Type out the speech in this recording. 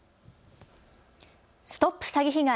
ＳＴＯＰ詐欺被害！